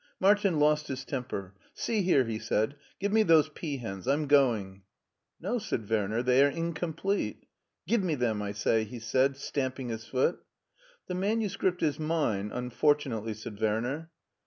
*' Martin lost his temper. " See here," he said, " give me those peahens. I'm going." " No," said Werner, " they are incomplete." "Give me them, I say," he said, stamping his foot. "The manuscript is mine, unfortunately," said ;Werner.